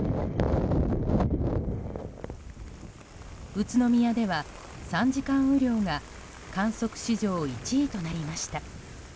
宇都宮では３時間雨量が観測史上１位となりました。